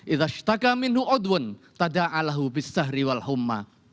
itta sytaka minhu'udhun tada'alahu bis sahri wal humma